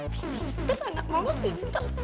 bintar anak mama bintar ma